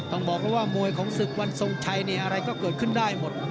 ต้องบอกแล้วว่ามวยของศึกวันทรงชัยนี่อะไรก็เกิดขึ้นได้หมด